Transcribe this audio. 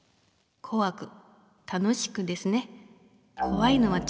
こわく楽しくですね。